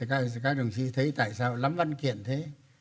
các đồng chí thấy tại sao lắm văn kiện thế